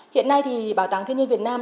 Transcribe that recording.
hiện nay thì bảo tàng thiên nhiên việt nam